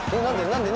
何で？